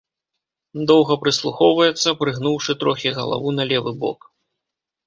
Доўга прыслухоўваецца, прыгнуўшы трохі галаву на левы бок.